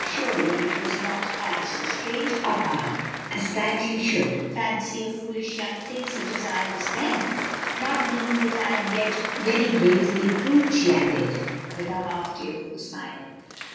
"Surely, it was not half so strange, papa, as that he should fancy a foolish young thing such as I was then; not meaning that I am yet very greatly improved," she added, with a half tearful smile.